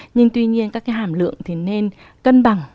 nhưng tuy nhiên các hàm lượng thì nên cân bằng